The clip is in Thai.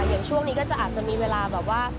เห็นช่วงนี้ก็อาจจะมีเวลาแบบว่า